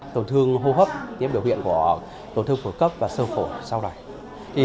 tổn thương hô hấp tiếp biểu hiện của tổn thương phổ cấp và sơ phổ sau này